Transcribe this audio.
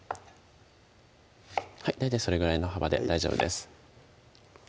大体それぐらいの幅で大丈夫です